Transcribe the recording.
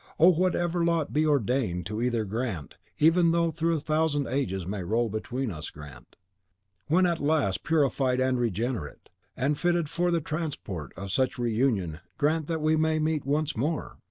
Oh, whatever lot be ordained to either, grant even though a thousand ages may roll between us grant, when at last purified and regenerate, and fitted for the transport of such reunion grant that we may meet once more!